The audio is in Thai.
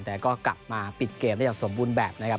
แต่ก็กลับมาปิดเกมได้อย่างสมบูรณ์แบบนะครับ